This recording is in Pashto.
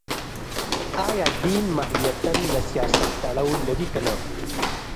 ایا دین ماهیتاً له سیاست تړاو لري که نه